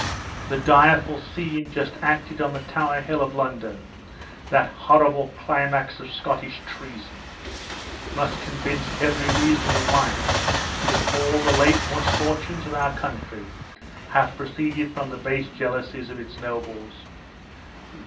The direful scene just acted on the Tower Hill of London, that horrible climax of Scottish treason! must convince every reasonable mind that all the late misfortunes of our country have proceeded from the base jealousies of its nobles.